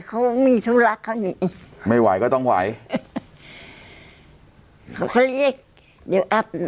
เขามีธุระเขาหนีไม่ไหวก็ต้องไหวเขาก็เรียกเดี๋ยวแอป